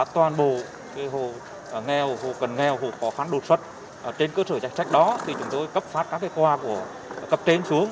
trên cơ sở trạch trách đó thì chúng tôi cấp phát các cái qua của cấp trên xuống